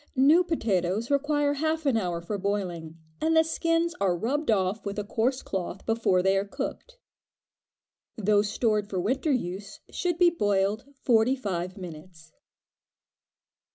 New potatoes require half an hour for boiling, and the skins are rubbed off with a coarse cloth before they are cooked. Those stored for winter use should be boiled forty five minutes.